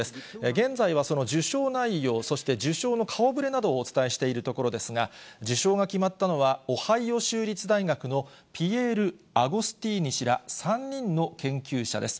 現在はその受賞内容、そして受賞の顔ぶれなどをお伝えしているところですが、受賞が決まったのは、オハイオ州立大学のピエール・アゴスティーニ氏ら３人の研究者です。